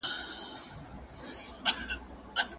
که پوهنتون اصول وټاکي نو ستونزي به حل سي.